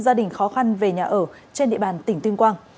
gia đình khó khăn về nhà ở trên địa bàn tỉnh tuyên quang